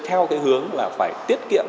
theo cái hướng là phải tiết kiệm